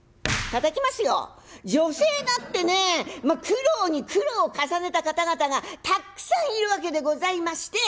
苦労に苦労を重ねた方々がたっくさんいるわけでございまして。